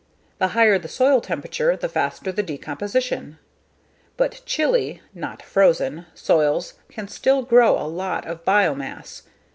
The higher the soil temperature the faster the decomposition. But chilly (not frozen) soils can still grow a lot of biomass.